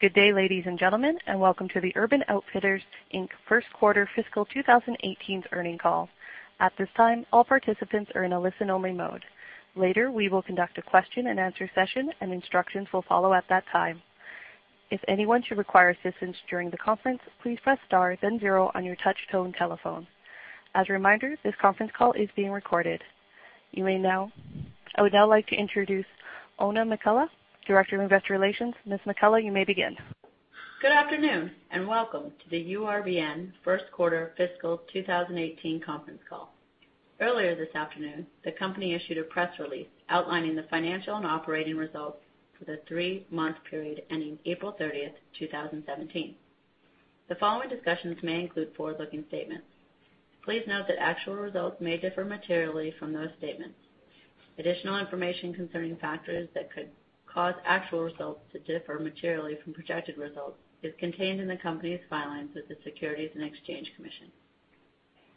Good day, ladies and gentlemen, and welcome to the Urban Outfitters, Inc. First Quarter Fiscal 2018 earnings call. At this time, all participants are in a listen-only mode. Later, we will conduct a question and answer session and instructions will follow at that time. If anyone should require assistance during the conference, please press star then zero on your touch tone telephone. As a reminder, this conference call is being recorded. I would now like to introduce Oona McCullough, Director of Investor Relations. Oona McCullough, you may begin. Good afternoon, and welcome to the URBN First Quarter Fiscal 2018 conference call. Earlier this afternoon, the company issued a press release outlining the financial and operating results for the three-month period ending April 30th, 2017. The following discussions may include forward-looking statements. Please note that actual results may differ materially from those statements. Additional information concerning factors that could cause actual results to differ materially from projected results is contained in the company's filings with the Securities and Exchange Commission.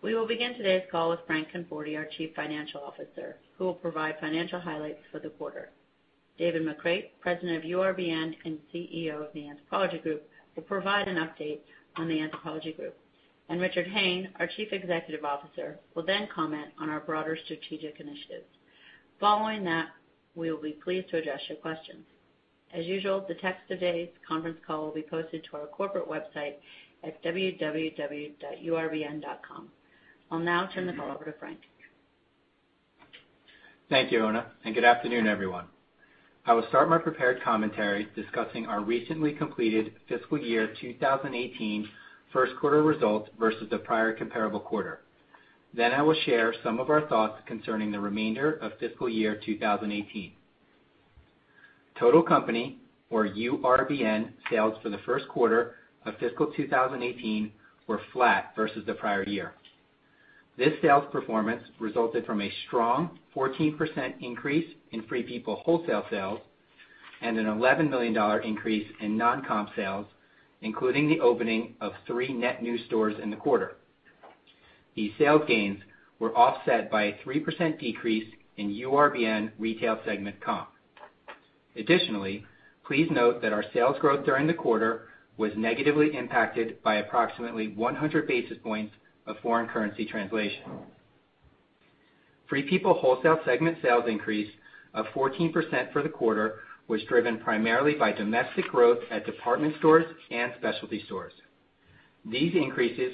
We will begin today's call with Frank Conforti, our Chief Financial Officer, who will provide financial highlights for the quarter. David McCreight, President of URBN and CEO of the Anthropologie Group, will provide an update on the Anthropologie Group. Richard Hayne, our Chief Executive Officer, will then comment on our broader strategic initiatives. Following that, we will be pleased to address your questions. As usual, the text of today's conference call will be posted to our corporate website at www.urbn.com. I'll now turn the call over to Frank. Thank you, Oona, and good afternoon, everyone. I will start my prepared commentary discussing our recently completed Fiscal Year 2018 First Quarter results versus the prior comparable quarter. I will share some of our thoughts concerning the remainder of Fiscal Year 2018. Total company or URBN sales for the First Quarter of Fiscal 2018 were flat versus the prior year. This sales performance resulted from a strong 14% increase in Free People wholesale sales and an $11 million increase in non-comp sales, including the opening of three net new stores in the quarter. These sales gains were offset by a 3% decrease in URBN retail segment comp. Additionally, please note that our sales growth during the quarter was negatively impacted by approximately 100 basis points of foreign currency translation. Free People wholesale segment sales increase of 14% for the quarter was driven primarily by domestic growth at department stores and specialty stores. These increases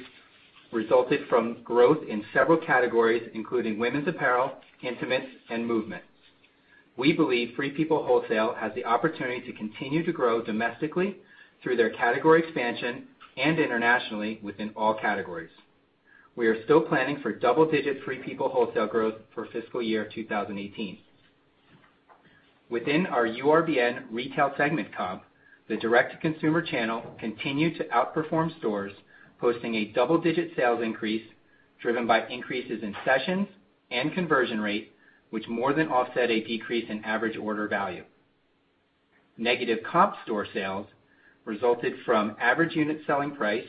resulted from growth in several categories, including women's apparel, intimates, and Movement. We believe Free People wholesale has the opportunity to continue to grow domestically through their category expansion and internationally within all categories. We are still planning for double-digit Free People wholesale growth for fiscal year 2018. Within our URBN retail segment comp, the direct-to-consumer channel continued to outperform stores, posting a double-digit sales increase driven by increases in sessions and conversion rate, which more than offset a decrease in average order value. Negative comp store sales resulted from average unit selling price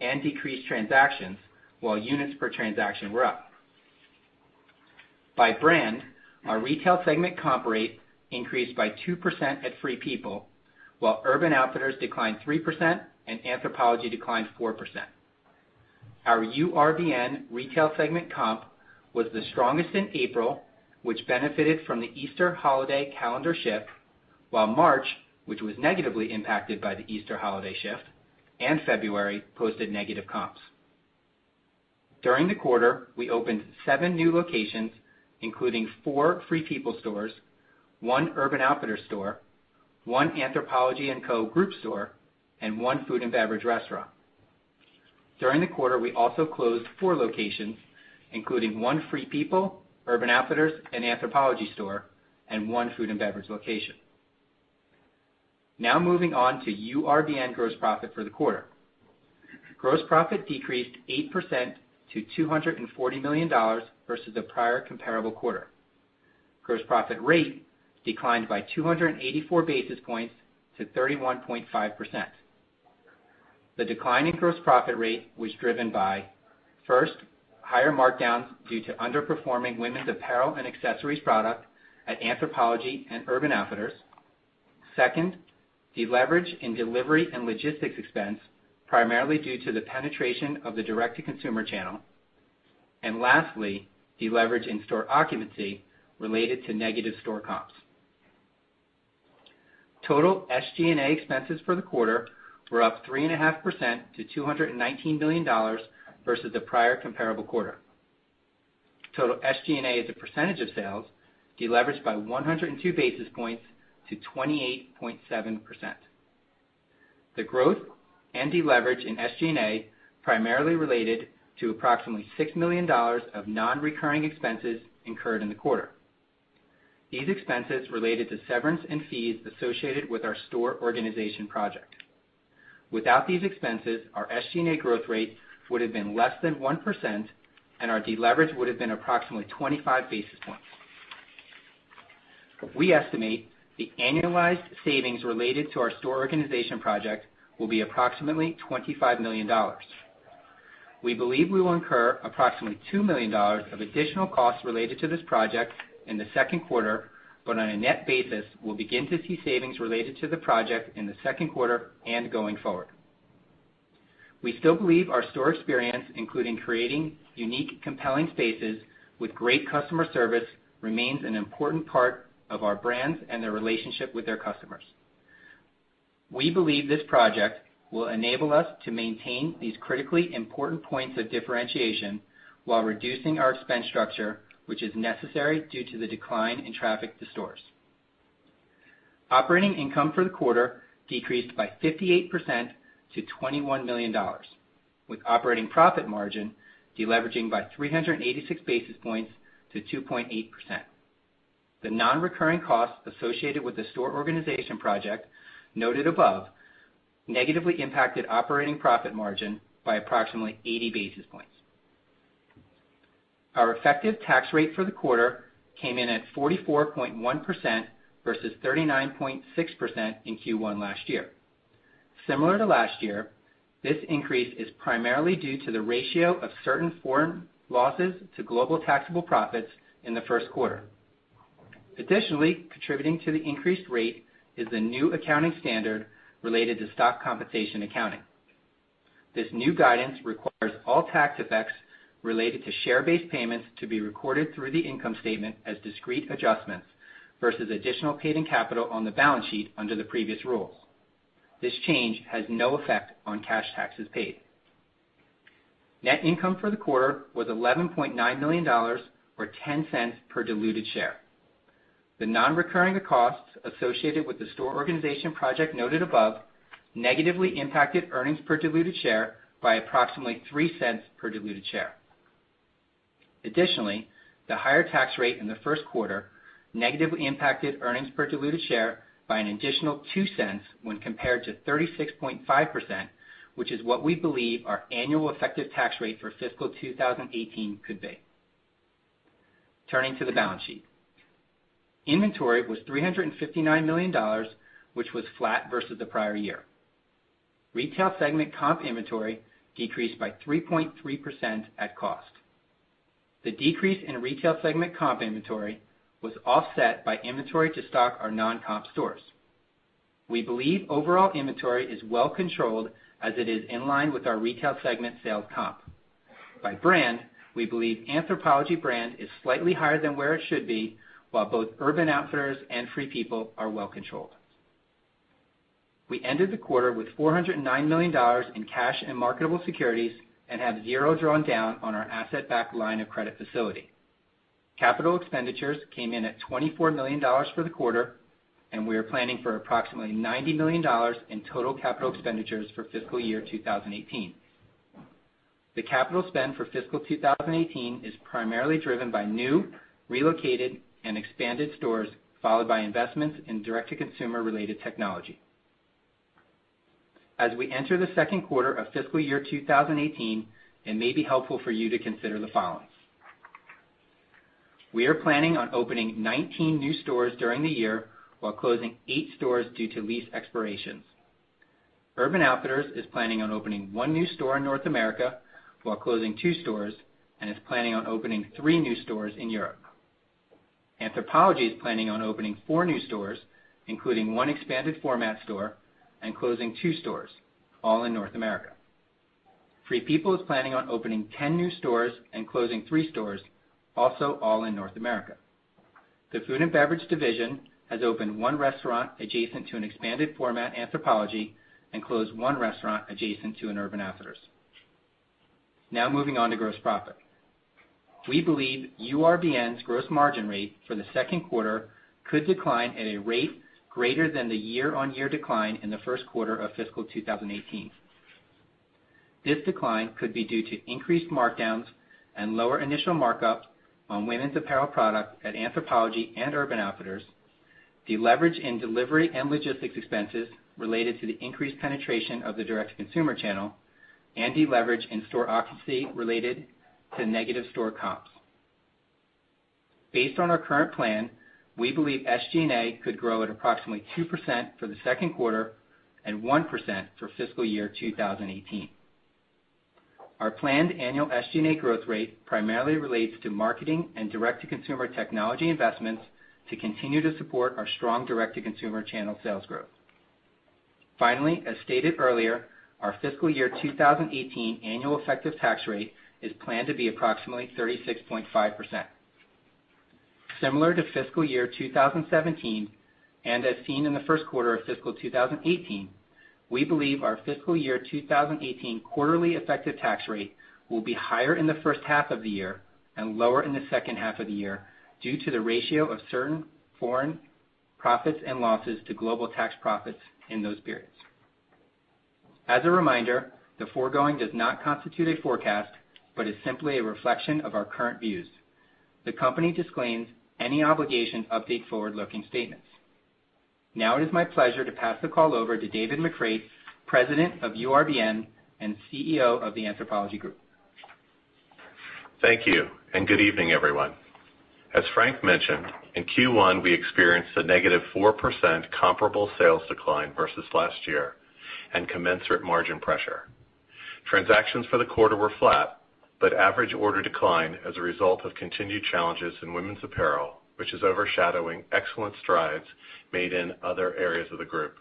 and decreased transactions, while units per transaction were up. By brand, our retail segment comp rate increased by 2% at Free People, while Urban Outfitters declined 3% and Anthropologie declined 4%. Our URBN retail segment comp was the strongest in April, which benefited from the Easter holiday calendar shift, while March, which was negatively impacted by the Easter holiday shift, and February posted negative comps. During the quarter, we opened seven new locations, including four Free People stores, one Urban Outfitters store, one Anthropologie & Co. store, and one food and beverage restaurant. During the quarter, we also closed four locations, including one Free People, Urban Outfitters, and Anthropologie store, and one food and beverage location. Moving on to URBN gross profit for the quarter. Gross profit decreased 8% to $240 million versus the prior comparable quarter. Gross profit rate declined by 284 basis points to 31.5%. The decline in gross profit rate was driven by, first, higher markdowns due to underperforming women's apparel and accessories product at Anthropologie and Urban Outfitters. Second, deleverage in delivery and logistics expense, primarily due to the penetration of the direct-to-consumer channel. Lastly, deleverage in store occupancy related to negative store comps. Total SG&A expenses for the quarter were up 3.5% to $219 million versus the prior comparable quarter. Total SG&A as a percentage of sales deleveraged by 102 basis points to 28.7%. The growth and deleverage in SG&A primarily related to approximately $6 million of non-recurring expenses incurred in the quarter. These expenses related to severance and fees associated with our store organization project. Without these expenses, our SG&A growth rate would have been less than 1% and our deleverage would have been approximately 25 basis points. We estimate the annualized savings related to our store organization project will be approximately $25 million. We believe we will incur approximately $2 million of additional costs related to this project in the second quarter. On a net basis, we'll begin to see savings related to the project in the second quarter and going forward. We still believe our store experience, including creating unique, compelling spaces with great customer service, remains an important part of our brands and their relationship with their customers. We believe this project will enable us to maintain these critically important points of differentiation while reducing our expense structure, which is necessary due to the decline in traffic to stores. Operating income for the quarter decreased by 58% to $21 million, with operating profit margin deleveraging by 386 basis points to 2.8%. The non-recurring costs associated with the store organization project noted above negatively impacted operating profit margin by approximately 80 basis points. Our effective tax rate for the quarter came in at 44.1% versus 39.6% in Q1 last year. Similar to last year, this increase is primarily due to the ratio of certain foreign losses to global taxable profits in the first quarter. Additionally, contributing to the increased rate is the new accounting standard related to stock compensation accounting. This new guidance requires all tax effects related to share-based payments to be recorded through the income statement as discrete adjustments versus additional paid-in capital on the balance sheet under the previous rules. This change has no effect on cash taxes paid. Net income for the quarter was $11.9 million, or $0.10 per diluted share. The non-recurring costs associated with the store organization project noted above negatively impacted earnings per diluted share by approximately $0.03 per diluted share. Additionally, the higher tax rate in the first quarter negatively impacted earnings per diluted share by an additional $0.02 when compared to 36.5%, which is what we believe our annual effective tax rate for fiscal 2018 could be. Turning to the balance sheet. Inventory was $359 million, which was flat versus the prior year. Retail segment comp inventory decreased by 3.3% at cost. The decrease in retail segment comp inventory was offset by inventory to stock our non-comp stores. We believe overall inventory is well-controlled as it is in line with our retail segment sales comp. By brand, we believe Anthropologie brand is slightly higher than where it should be, while both Urban Outfitters and Free People are well-controlled. We ended the quarter with $409 million in cash and marketable securities and have zero drawn down on our asset-backed line of credit facility. Capital expenditures came in at $24 million for the quarter, and we are planning for approximately $90 million in total capital expenditures for fiscal year 2018. The capital spend for fiscal 2018 is primarily driven by new, relocated, and expanded stores, followed by investments in direct-to-consumer related technology. As we enter the second quarter of fiscal year 2018, it may be helpful for you to consider the following. We are planning on opening 19 new stores during the year while closing eight stores due to lease expirations. Urban Outfitters is planning on opening one new store in North America while closing two stores and is planning on opening three new stores in Europe. Anthropologie is planning on opening four new stores, including one expanded format store and closing two stores, all in North America. Free People is planning on opening 10 new stores and closing three stores, also all in North America. The food and beverage division has opened one restaurant adjacent to an expanded format Anthropologie and closed one restaurant adjacent to an Urban Outfitters. Moving on to gross profit. We believe URBN's gross margin rate for the second quarter could decline at a rate greater than the year-on-year decline in the first quarter of fiscal 2018. This decline could be due to increased markdowns and lower initial markups on women's apparel product at Anthropologie and Urban Outfitters, deleverage in delivery and logistics expenses related to the increased penetration of the direct-to-consumer channel, and deleverage in store occupancy related to negative store comps. Based on our current plan, we believe SG&A could grow at approximately 2% for the second quarter and 1% for fiscal year 2018. Our planned annual SG&A growth rate primarily relates to marketing and direct-to-consumer technology investments to continue to support our strong direct-to-consumer channel sales growth. As stated earlier, our fiscal year 2018 annual effective tax rate is planned to be approximately 36.5%. Similar to fiscal year 2017 and as seen in the first quarter of fiscal 2018, we believe our fiscal year 2018 quarterly effective tax rate will be higher in the first half of the year and lower in the second half of the year due to the ratio of certain foreign profits and losses to global tax profits in those periods. As a reminder, the foregoing does not constitute a forecast, but is simply a reflection of our current views. The company disclaims any obligation to update forward-looking statements. It is my pleasure to pass the call over to David McCreight, President of URBN and CEO of the Anthropologie Group. Thank you, and good evening, everyone. As Frank mentioned, in Q1, we experienced a negative 4% comparable sales decline versus last year and commensurate margin pressure. Transactions for the quarter were flat, but average order declined as a result of continued challenges in women's apparel, which is overshadowing excellent strides made in other areas of the group.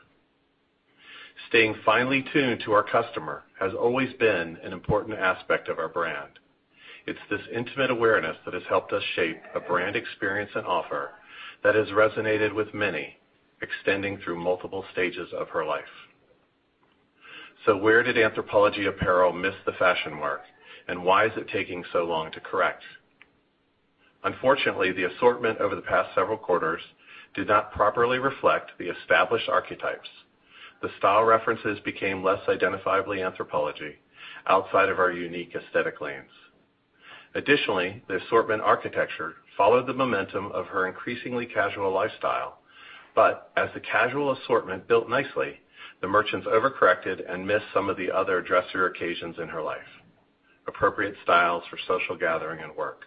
Staying finely tuned to our customer has always been an important aspect of our brand. It's this intimate awareness that has helped us shape a brand experience and offer that has resonated with many, extending through multiple stages of her life. Where did Anthropologie apparel miss the fashion mark, and why is it taking so long to correct? Unfortunately, the assortment over the past several quarters did not properly reflect the established archetypes. The style references became less identifiably Anthropologie outside of our unique aesthetic lanes. Additionally, the assortment architecture followed the momentum of her increasingly casual lifestyle, but as the casual assortment built nicely, the merchants overcorrected and missed some of the other dressier occasions in her life, appropriate styles for social gathering and work.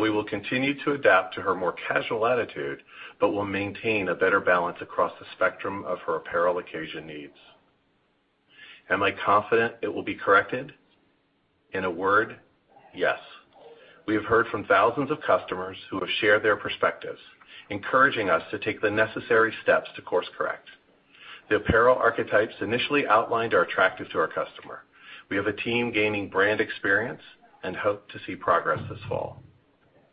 We will continue to adapt to her more casual attitude, but will maintain a better balance across the spectrum of her apparel occasion needs. Am I confident it will be corrected? In a word, yes. We have heard from thousands of customers who have shared their perspectives, encouraging us to take the necessary steps to course correct. The apparel archetypes initially outlined are attractive to our customer. We have a team gaining brand experience and hope to see progress this fall.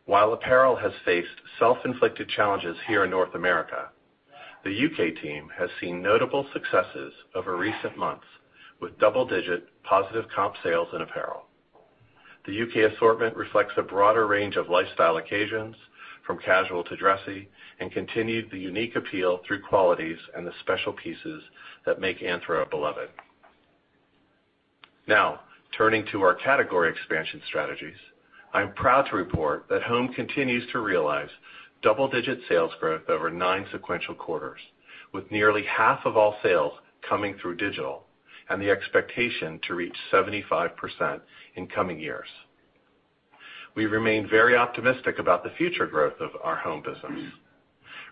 While apparel has faced self-inflicted challenges here in North America, the U.K. team has seen notable successes over recent months with double-digit positive comp sales in apparel. The U.K. assortment reflects a broader range of lifestyle occasions, from casual to dressy, and continued the unique appeal through qualities and the special pieces that make Anthro beloved. Turning to our category expansion strategies. I'm proud to report that Home continues to realize double-digit sales growth over nine sequential quarters, with nearly half of all sales coming through digital, and the expectation to reach 75% in coming years. We remain very optimistic about the future growth of our Home business.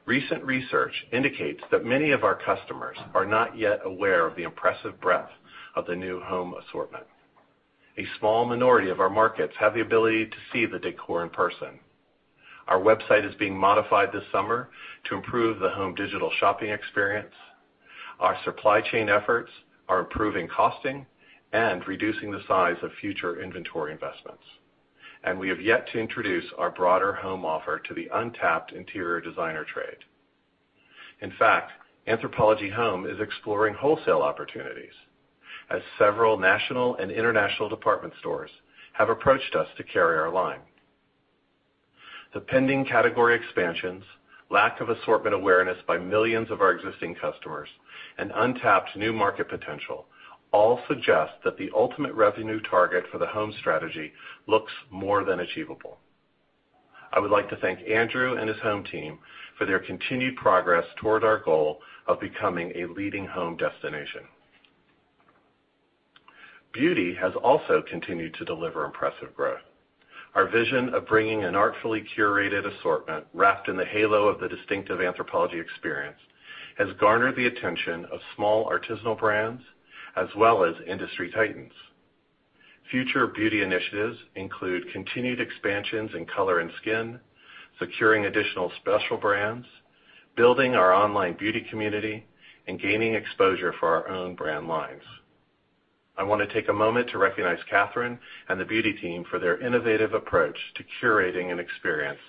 Recent research indicates that many of our customers are not yet aware of the impressive breadth of the new Home assortment. A small minority of our markets have the ability to see the decor in person. Our website is being modified this summer to improve the Home digital shopping experience. Our supply chain efforts are improving costing and reducing the size of future inventory investments. We have yet to introduce our broader Home offer to the untapped interior designer trade. In fact, Anthropologie Home is exploring wholesale opportunities as several national and international department stores have approached us to carry our line. The pending category expansions, lack of assortment awareness by millions of our existing customers, and untapped new market potential all suggest that the ultimate revenue target for the Home strategy looks more than achievable. I would like to thank Andrew and his Home team for their continued progress toward our goal of becoming a leading home destination. Beauty has also continued to deliver impressive growth. Our vision of bringing an artfully curated assortment wrapped in the halo of the distinctive Anthropologie experience has garnered the attention of small artisanal brands as well as industry titans. Future beauty initiatives include continued expansions in color and skin, securing additional special brands, building our online beauty community, and gaining exposure for our own brand lines. I wanna take a moment to recognize Catherine and the Beauty team for their innovative approach to curating an experience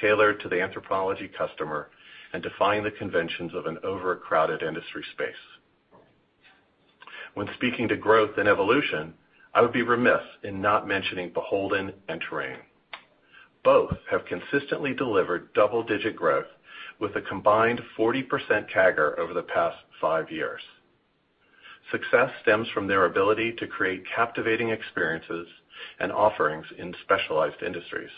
tailored to the Anthropologie customer and defying the conventions of an overcrowded industry space. When speaking to growth and evolution, I would be remiss in not mentioning BHLDN and Terrain. Both have consistently delivered double-digit growth with a combined 40% CAGR over the past five years. Success stems from their ability to create captivating experiences and offerings in specialized industries.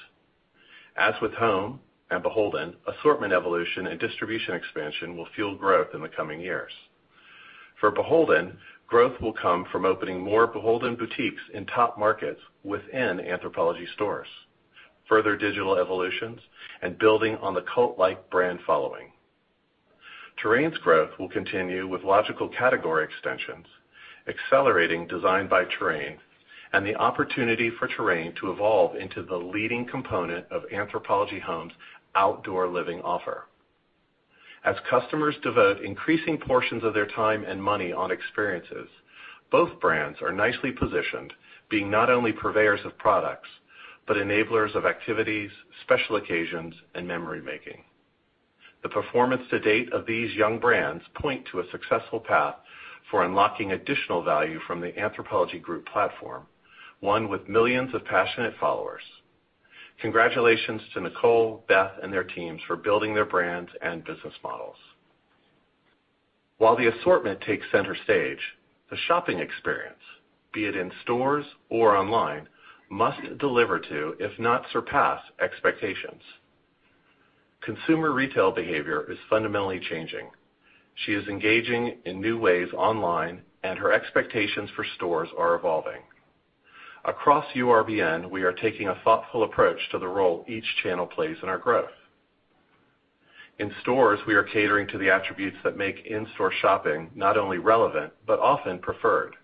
As with Home and BHLDN, assortment evolution and distribution expansion will fuel growth in the coming years. For BHLDN, growth will come from opening more BHLDN boutiques in top markets within Anthropologie stores, further digital evolutions, and building on the cult-like brand following. Terrain's growth will continue with logical category extensions, accelerating design by Terrain, and the opportunity for Terrain to evolve into the leading component of Anthropologie Home's outdoor living offer. As customers devote increasing portions of their time and money on experiences, both brands are nicely positioned, being not only purveyors of products, but enablers of activities, special occasions, and memory-making. The performance to date of these young brands point to a successful path for unlocking additional value from the Anthropologie Group platform, one with millions of passionate followers. Congratulations to Nicole, Beth, and their teams for building their brands and business models. While the assortment takes center stage, the shopping experience, be it in stores or online, must deliver to, if not surpass, expectations. Consumer retail behavior is fundamentally changing. Her expectations for stores are evolving. Across URBN, we are taking a thoughtful approach to the role each channel plays in our growth. In stores, we are catering to the attributes that make in-store shopping not only relevant but often preferred.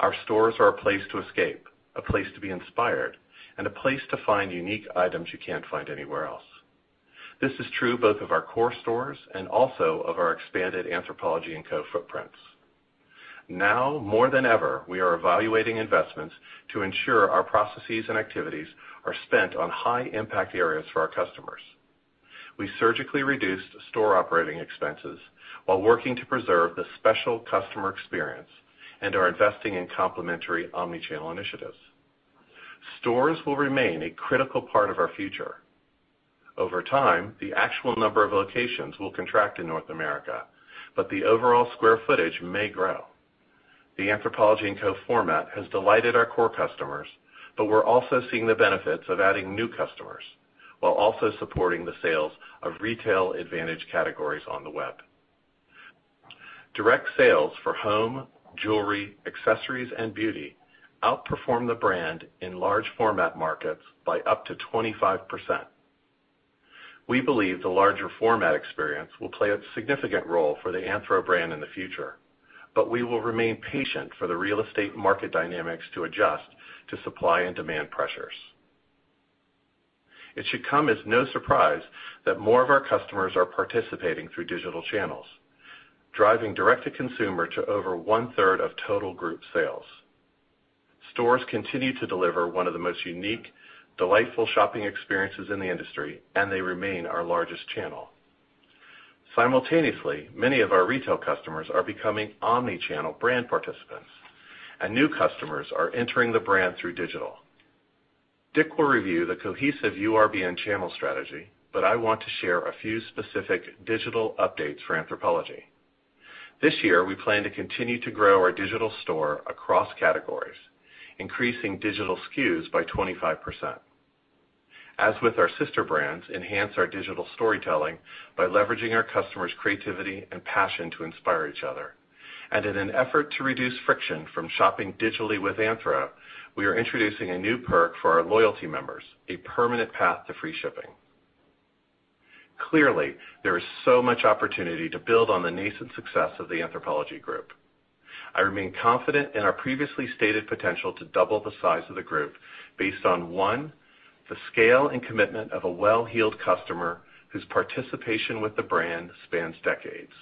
Our stores are a place to escape, a place to be inspired, and a place to find unique items you can't find anywhere else. This is true both of our core stores and also of our expanded Anthropologie & Co. footprints. Now more than ever, we are evaluating investments to ensure our processes and activities are spent on high-impact areas for our customers. We surgically reduced store operating expenses while working to preserve the special customer experience and are investing in complementary omni-channel initiatives. Stores will remain a critical part of our future. Over time, the actual number of locations will contract in North America, but the overall square footage may grow. The Anthropologie & Co. format has delighted our core customers. We're also seeing the benefits of adding new customers while also supporting the sales of retail advantage categories on the web. Direct sales for home, jewelry, accessories, and beauty outperform the brand in large format markets by up to 25%. We believe the larger format experience will play a significant role for the Anthro brand in the future. We will remain patient for the real estate market dynamics to adjust to supply and demand pressures. It should come as no surprise that more of our customers are participating through digital channels, driving direct-to-consumer to over one-third of total group sales. Stores continue to deliver one of the most unique, delightful shopping experiences in the industry. They remain our largest channel. Simultaneously, many of our retail customers are becoming omni-channel brand participants. New customers are entering the brand through digital. Dick will review the cohesive URBN channel strategy. I want to share a few specific digital updates for Anthropologie. This year, we plan to continue to grow our digital store across categories, increasing digital SKUs by 25%. As with our sister brands, we will enhance our digital storytelling by leveraging our customers' creativity and passion to inspire each other. In an effort to reduce friction from shopping digitally with Anthro, we are introducing a new perk for our loyalty members, a permanent path to free shipping. Clearly, there is so much opportunity to build on the nascent success of the Anthropologie Group. I remain confident in our previously stated potential to double the size of the group based on, one, the scale and commitment of a well-heeled customer whose participation with the brand spans decades.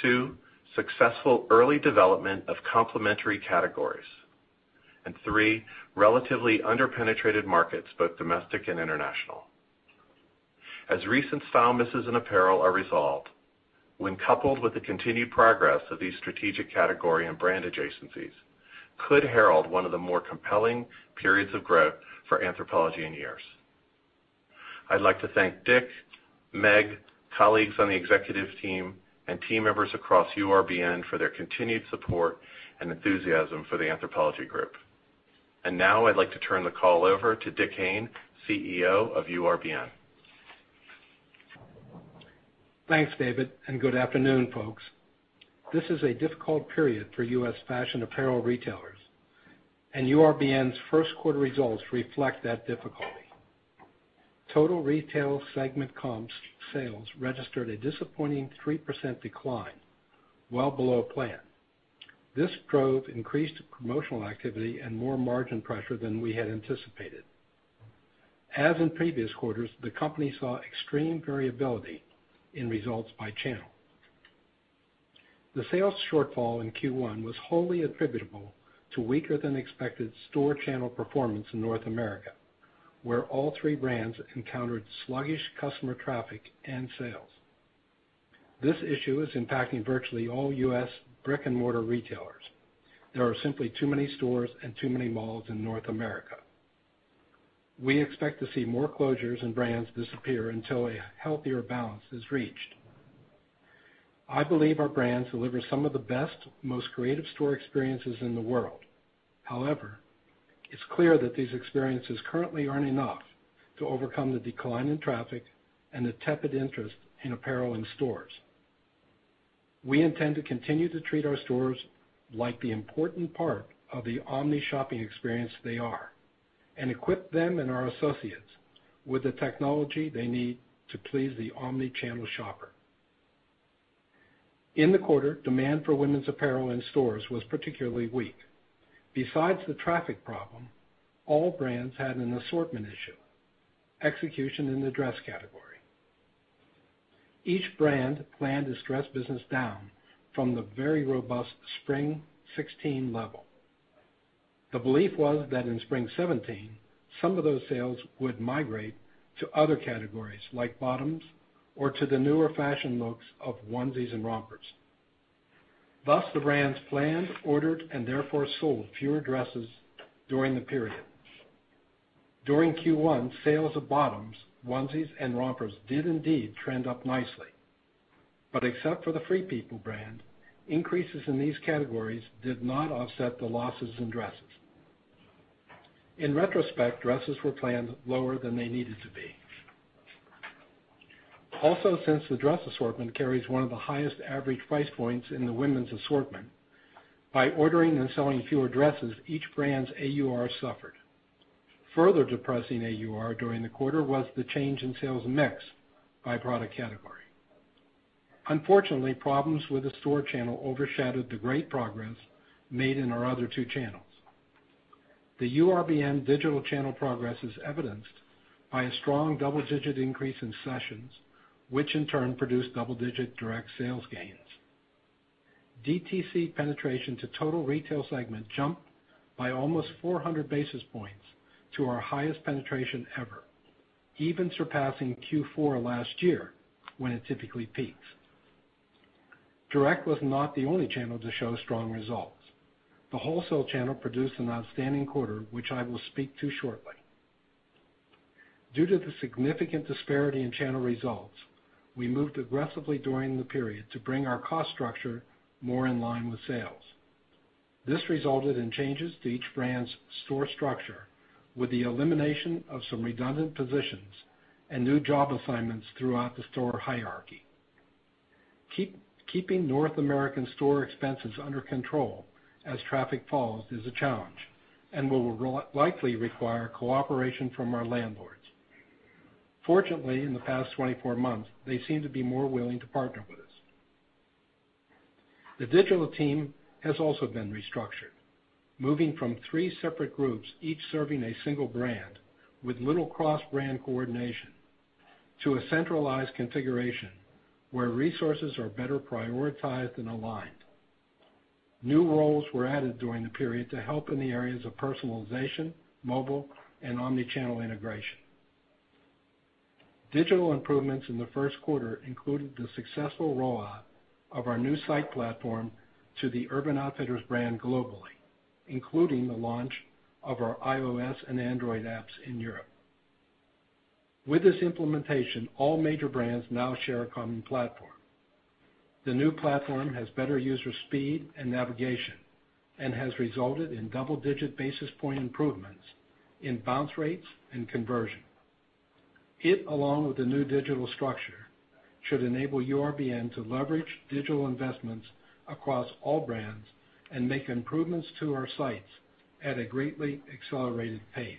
Two, successful early development of complementary categories. Three, relatively under-penetrated markets, both domestic and international. As recent style misses in apparel are resolved, when coupled with the continued progress of these strategic category and brand adjacencies, could herald one of the more compelling periods of growth for Anthropologie in years. I'd like to thank Dick, Meg, colleagues on the executive team, and team members across URBN for their continued support and enthusiasm for the Anthropologie Group. Now I'd like to turn the call over to Dick Hayne, CEO of URBN. Thanks, David, good afternoon, folks. This is a difficult period for U.S. fashion apparel retailers, URBN's first quarter results reflect that difficulty. Total retail segment comp sales registered a disappointing 3% decline, well below plan. This drove increased promotional activity and more margin pressure than we had anticipated. As in previous quarters, the company saw extreme variability in results by channel. The sales shortfall in Q1 was wholly attributable to weaker than expected store channel performance in North America, where all three brands encountered sluggish customer traffic and sales. This issue is impacting virtually all U.S. brick-and-mortar retailers. There are simply too many stores and too many malls in North America. We expect to see more closures and brands disappear until a healthier balance is reached. I believe our brands deliver some of the best, most creative store experiences in the world. It's clear that these experiences currently aren't enough to overcome the decline in traffic and the tepid interest in apparel in stores. We intend to continue to treat our stores like the important part of the omni-shopping experience they are and equip them and our associates with the technology they need to please the omni-channel shopper. In the quarter, demand for women's apparel in stores was particularly weak. Besides the traffic problem, all brands had an assortment issue, execution in the dress category. Each brand planned its dress business down from the very robust spring 2016 level. The belief was that in spring 2017, some of those sales would migrate to other categories like bottoms or to the newer fashion looks of onesies and rompers. The brands planned, ordered, and therefore sold fewer dresses during the period. During Q1, sales of bottoms, onesies, and rompers did indeed trend up nicely. Except for the Free People brand, increases in these categories did not offset the losses in dresses. In retrospect, dresses were planned lower than they needed to be. Since the dress assortment carries one of the highest average price points in the women's assortment, by ordering and selling fewer dresses, each brand's AUR suffered. Further depressing AUR during the quarter was the change in sales mix by product category. Problems with the store channel overshadowed the great progress made in our other two channels. The URBN digital channel progress is evidenced by a strong double-digit increase in sessions, which in turn produced double-digit direct sales gains. DTC penetration to total retail segment jumped by almost 400 basis points to our highest penetration ever, even surpassing Q4 last year when it typically peaks. Direct was not the only channel to show strong results. The wholesale channel produced an outstanding quarter, which I will speak to shortly. Due to the significant disparity in channel results, we moved aggressively during the period to bring our cost structure more in line with sales. This resulted in changes to each brand's store structure with the elimination of some redundant positions and new job assignments throughout the store hierarchy. Keeping North American store expenses under control as traffic falls is a challenge, and will likely require cooperation from our landlords. Fortunately, in the past 24 months, they seem to be more willing to partner with us. The digital team has also been restructured, moving from three separate groups, each serving a single brand with little cross-brand coordination, to a centralized configuration where resources are better prioritized and aligned. New roles were added during the period to help in the areas of personalization, mobile, and omni-channel integration. Digital improvements in the first quarter included the successful rollout of our new site platform to the Urban Outfitters brand globally, including the launch of our iOS and Android apps in Europe. With this implementation, all major brands now share a common platform. The new platform has better user speed and navigation and has resulted in double-digit basis point improvements in bounce rates and conversion. It, along with the new digital structure, should enable URBN to leverage digital investments across all brands and make improvements to our sites at a greatly accelerated pace.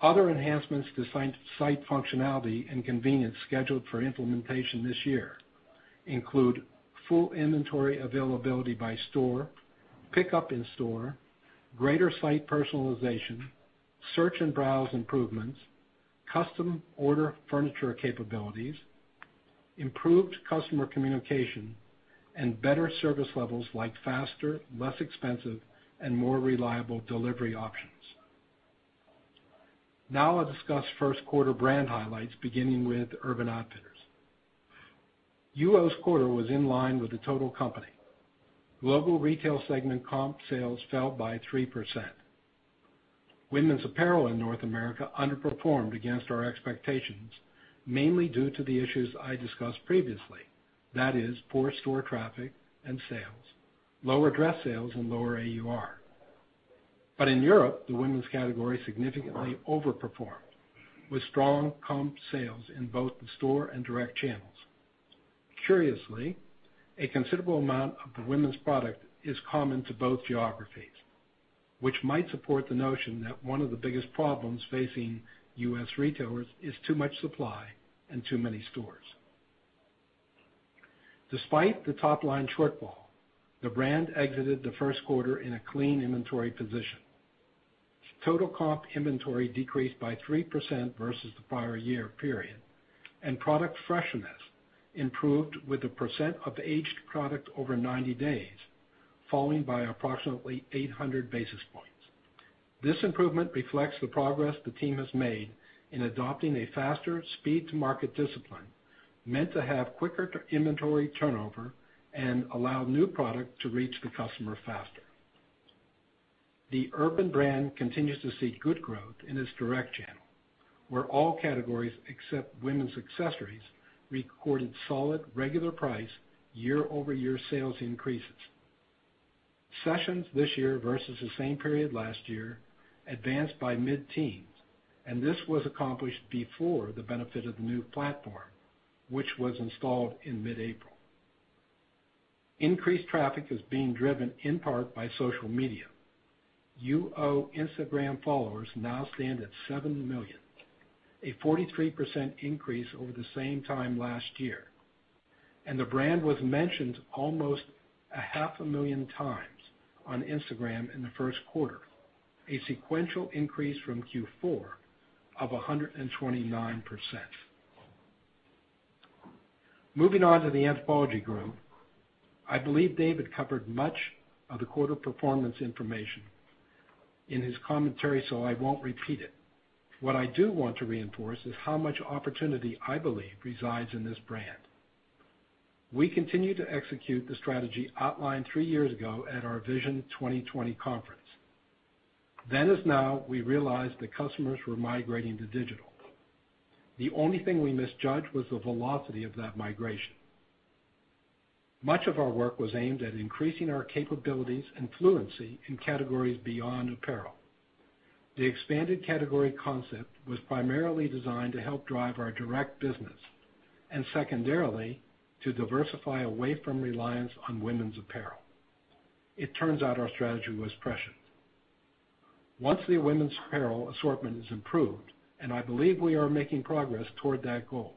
Other enhancements to site functionality and convenience scheduled for implementation this year include full inventory availability by store, pickup in-store, greater site personalization, search and browse improvements, custom order furniture capabilities, improved customer communication, and better service levels like faster, less expensive, and more reliable delivery options. Now I'll discuss first quarter brand highlights, beginning with Urban Outfitters. UO's quarter was in line with the total company. Global retail segment comp sales fell by 3%. Women's apparel in North America underperformed against our expectations, mainly due to the issues I discussed previously. That is, poor store traffic and sales, lower dress sales, and lower AUR. In Europe, the women's category significantly overperformed with strong comp sales in both the store and direct channels. Curiously, a considerable amount of the women's product is common to both geographies, which might support the notion that one of the biggest problems facing U.S. retailers is too much supply and too many stores. Despite the top-line shortfall, the brand exited the first quarter in a clean inventory position. Total comp inventory decreased by 3% versus the prior year period, and product freshness improved with the percent of aged product over 90 days, falling by approximately 800 basis points. This improvement reflects the progress the team has made in adopting a faster speed to market discipline meant to have quicker inventory turnover and allow new product to reach the customer faster. The Urban brand continues to see good growth in its direct channel, where all categories except women's accessories recorded solid regular price, year-over-year sales increases. Sessions this year versus the same period last year advanced by mid-teens, and this was accomplished before the benefit of the new platform, which was installed in mid-April. Increased traffic is being driven in part by social media. UO Instagram followers now stand at 7 million, a 43% increase over the same time last year. The brand was mentioned almost a half a million times on Instagram in the first quarter, a sequential increase from Q4 of 129%. Moving on to the Anthropologie Group. I believe David covered much of the quarter performance information in his commentary, so I won't repeat it. What I do want to reinforce is how much opportunity I believe resides in this brand. We continue to execute the strategy outlined 3 years ago at our Vision 2020 conference. As now, we realized that customers were migrating to digital. The only thing we misjudged was the velocity of that migration. Much of our work was aimed at increasing our capabilities and fluency in categories beyond apparel. The expanded category concept was primarily designed to help drive our direct business, and secondarily, to diversify away from reliance on women's apparel. It turns out our strategy was prescient. Once the women's apparel assortment is improved, and I believe we are making progress toward that goal,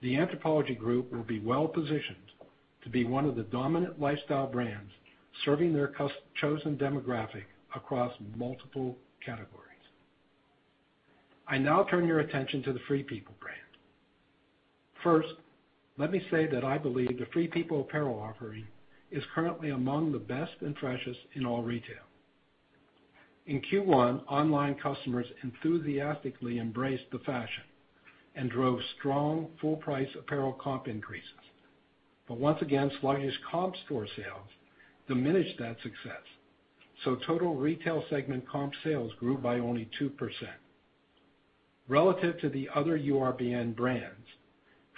the Anthropologie Group will be well-positioned to be one of the dominant lifestyle brands serving their chosen demographic across multiple categories. I now turn your attention to the Free People brand. First, let me say that I believe the Free People apparel offering is currently among the best and freshest in all retail. In Q1, online customers enthusiastically embraced the fashion and drove strong full-price apparel comp increases. Once again, sluggish comp store sales diminished that success. Total retail segment comp sales grew by only 2%. Relative to the other URBN brands,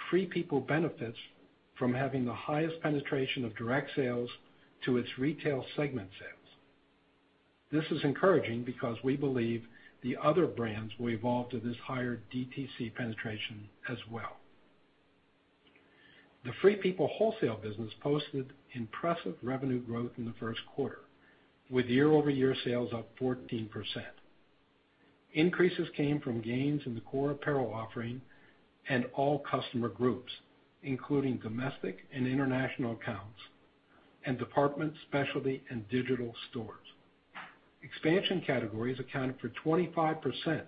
Free People benefits from having the highest penetration of direct sales to its retail segment sales. This is encouraging because we believe the other brands will evolve to this higher DTC penetration as well. The Free People wholesale business posted impressive revenue growth in the first quarter, with year-over-year sales up 14%. Increases came from gains in the core apparel offering and all customer groups, including domestic and international accounts, and department, specialty, and digital stores. Expansion categories accounted for 25%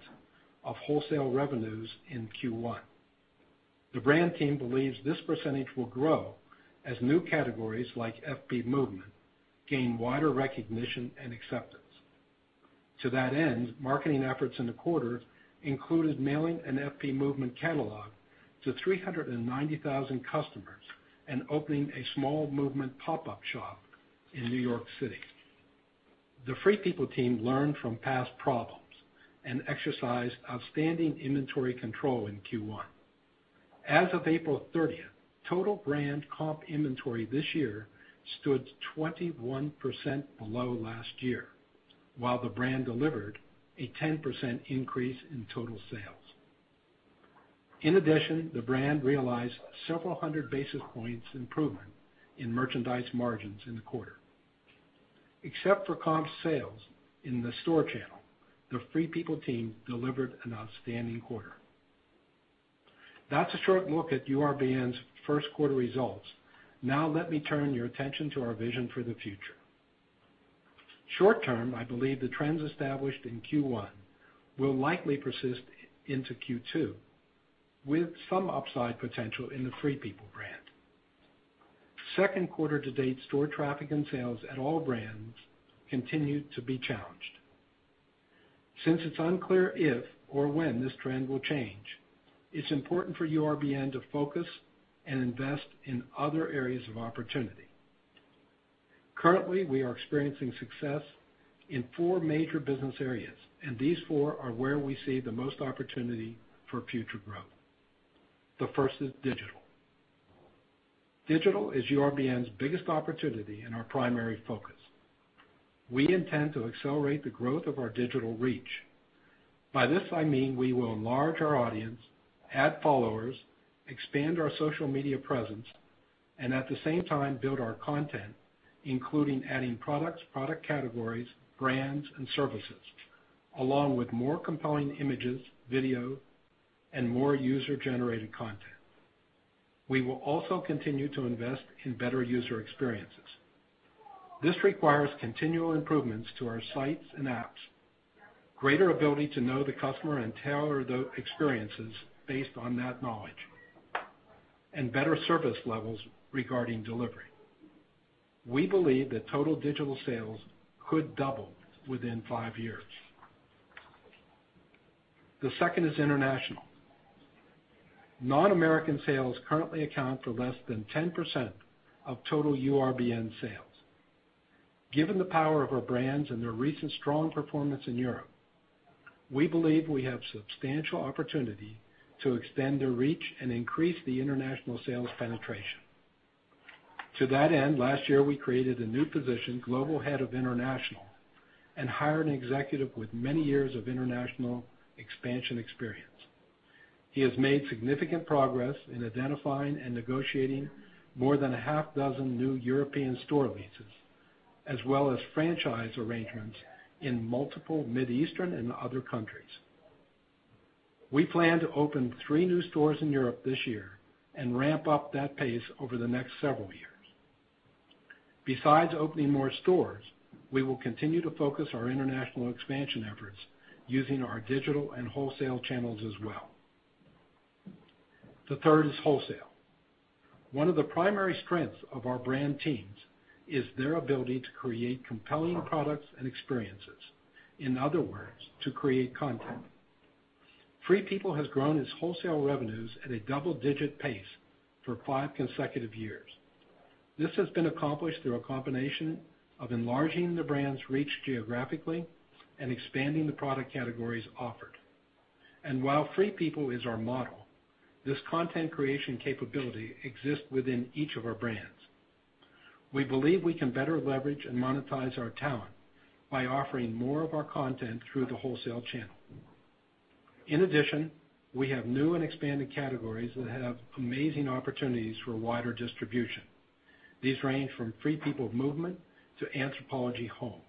of wholesale revenues in Q1. The brand team believes this percentage will grow as new categories like FP Movement gain wider recognition and acceptance. To that end, marketing efforts in the quarter included mailing an FP Movement catalog to 390,000 customers and opening a small Movement pop-up shop in New York City. The Free People team learned from past problems and exercised outstanding inventory control in Q1. As of April 30th, total brand comp inventory this year stood 21% below last year, while the brand delivered a 10% increase in total sales. In addition, the brand realized several hundred basis points improvement in merchandise margins in the quarter. Except for comp sales in the store channel, the Free People team delivered an outstanding quarter. That's a short look at URBN's first quarter results. Let me turn your attention to our vision for the future. Short-term, I believe the trends established in Q1 will likely persist into Q2, with some upside potential in the Free People brand. Second quarter to date store traffic and sales at all brands continued to be challenged. Since it's unclear if or when this trend will change, it's important for URBN to focus and invest in other areas of opportunity. Currently, we are experiencing success in four major business areas, and these four are where we see the most opportunity for future growth. The first is digital. Digital is URBN's biggest opportunity and our primary focus. We intend to accelerate the growth of our digital reach. By this, I mean we will enlarge our audience, add followers, expand our social media presence, and at the same time, build our content, including adding products, product categories, brands, and services, along with more compelling images, video, and more user-generated content. We will also continue to invest in better user experiences. This requires continual improvements to our sites and apps, greater ability to know the customer and tailor the experiences based on that knowledge, and better service levels regarding delivery. We believe that total digital sales could double within five years. The second is international. Non-American sales currently account for less than 10% of total URBN sales. Given the power of our brands and their recent strong performance in Europe, we believe we have substantial opportunity to extend their reach and increase the international sales penetration. To that end, last year, we created a new position, Global Head of International, and hired an executive with many years of international expansion experience. He has made significant progress in identifying and negotiating more than a half dozen new European store leases, as well as franchise arrangements in multiple Middle Eastern and other countries. We plan to open three new stores in Europe this year and ramp up that pace over the next several years. Besides opening more stores, we will continue to focus our international expansion efforts using our digital and wholesale channels as well. The third is wholesale. One of the primary strengths of our brand teams is their ability to create compelling products and experiences. In other words, to create content. Free People has grown its wholesale revenues at a double-digit pace for five consecutive years. This has been accomplished through a combination of enlarging the brand's reach geographically and expanding the product categories offered. While Free People is our model, this content creation capability exists within each of our brands. We believe we can better leverage and monetize our talent by offering more of our content through the wholesale channel. In addition, we have new and expanded categories that have amazing opportunities for wider distribution. These range from FP Movement to Anthropologie Home.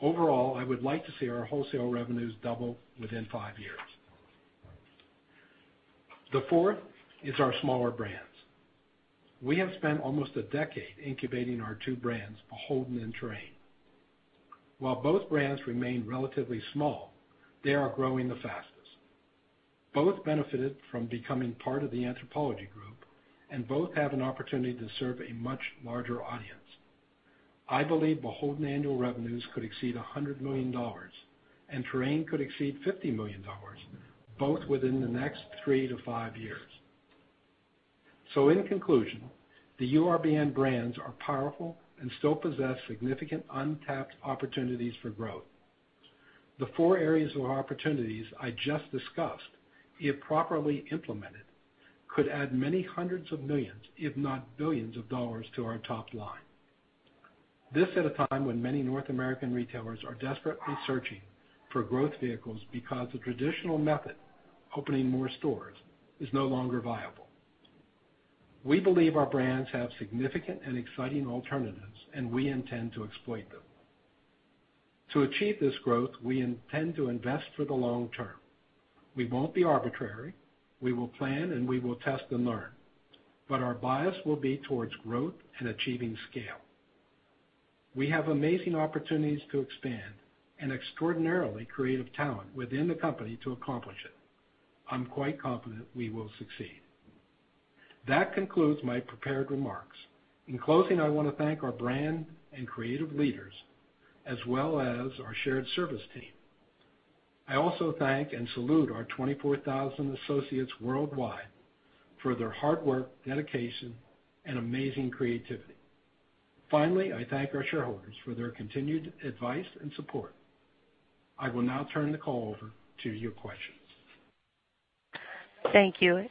Overall, I would like to see our wholesale revenues double within five years. The fourth is our smaller brands. We have spent almost a decade incubating our two brands, BHLDN and Terrain. While both brands remain relatively small, they are growing the fastest. Both benefited from becoming part of the Anthropologie Group, and both have an opportunity to serve a much larger audience. I believe BHLDN annual revenues could exceed $100 million, and Terrain could exceed $50 million, both within the next three to five years. In conclusion, the URBN brands are powerful and still possess significant untapped opportunities for growth. The four areas of opportunities I just discussed, if properly implemented, could add many hundreds of millions, if not billions of dollars, to our top line. This at a time when many North American retailers are desperately searching for growth vehicles because the traditional method, opening more stores, is no longer viable. We believe our brands have significant and exciting alternatives, and we intend to exploit them. To achieve this growth, we intend to invest for the long term. We won't be arbitrary. We will plan, and we will test and learn. Our bias will be towards growth and achieving scale. We have amazing opportunities to expand and extraordinarily creative talent within the company to accomplish it. I'm quite confident we will succeed. That concludes my prepared remarks. In closing, I want to thank our brand and creative leaders, as well as our shared service team. I also thank and salute our 24,000 associates worldwide for their hard work, dedication, and amazing creativity. Finally, I thank our shareholders for their continued advice and support. I will now turn the call over to your questions. Thank you.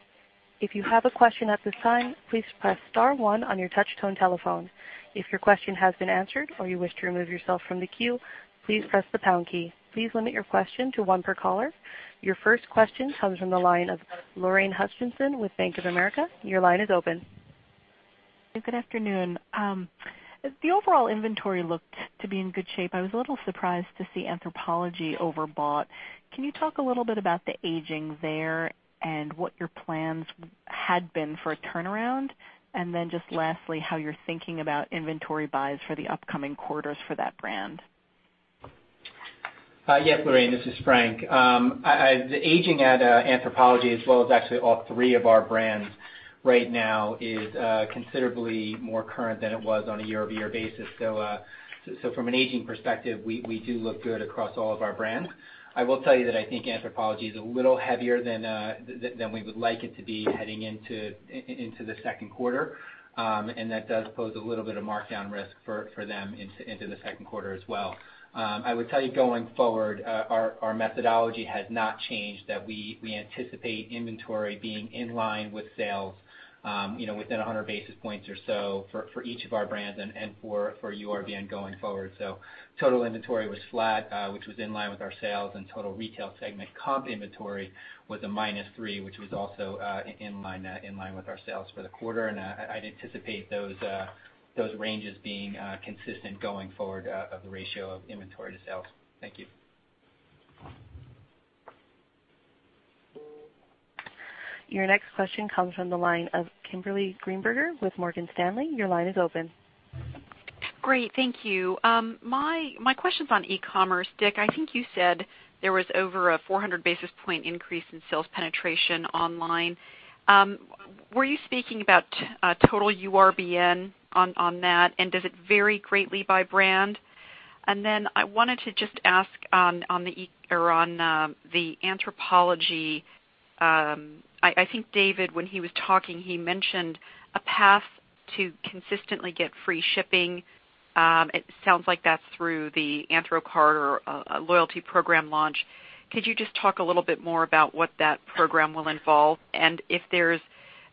If you have a question at this time, please press *1 on your touch-tone telephone. If your question has been answered or you wish to remove yourself from the queue, please press the # key. Please limit your question to one per caller. Your first question comes from the line of Lorraine Hutchinson with Bank of America. Your line is open. Good afternoon. The overall inventory looked to be in good shape. I was a little surprised to see Anthropologie overbought. Can you talk a little bit about the aging there and what your plans had been for a turnaround? Just lastly, how you're thinking about inventory buys for the upcoming quarters for that brand. Yes, Lorraine, this is Frank. The aging at Anthropologie, as well as actually all three of our brands right now, is considerably more current than it was on a year-over-year basis. From an aging perspective, we do look good across all of our brands. I will tell you that I think Anthropologie is a little heavier than we would like it to be heading into the second quarter, and that does pose a little bit of markdown risk for them into the second quarter as well. I would tell you, going forward, our methodology has not changed, that we anticipate inventory being in line with sales within 100 basis points or so for each of our brands and for URBN going forward. Total inventory was flat, which was in line with our sales, and total retail segment comp inventory was a -3, which was also in line with our sales for the quarter. I'd anticipate those ranges being consistent going forward of the ratio of inventory to sales. Thank you. Your next question comes from the line of Kimberly Greenberger with Morgan Stanley. Your line is open. Great. Thank you. My question's on e-commerce. Dick, I think you said there was over a 400 basis point increase in sales penetration online. Were you speaking about total URBN on that, and does it vary greatly by brand? Then I wanted to just ask on the Anthropologie. I think David, when he was talking, he mentioned a path to consistently get free shipping. It sounds like that's through the Anthro card or a loyalty program launch. Could you just talk a little bit more about what that program will involve and if there's